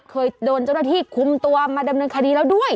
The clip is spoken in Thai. เคยโดนเจ้าหน้าที่คุมตัวมาดำเนินคดีแล้วด้วย